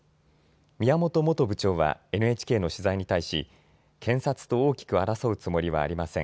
宮本元部長はＮＨＫの取材に対し検察と大きく争うつもりはありません。